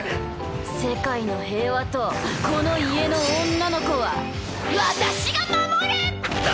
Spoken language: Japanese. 世界の平和とこの家の女の子は私が守る！